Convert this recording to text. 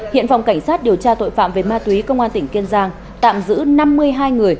hiện phòng cảnh sát điều tra tội phạm về ma túy công an tỉnh kiên giang tạm giữ năm mươi hai người